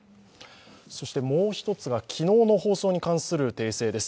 そしてもう一つが昨日の放送に関する訂正です。